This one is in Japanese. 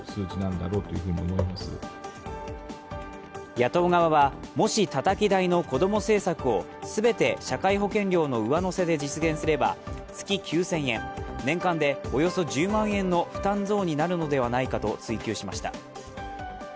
野党側は、もし、たたき台の子ども政策を全て社会保険料の上乗せで実現すれば月９０００円年間でおよそ１０万円の負担増になるのではないかと追及しました。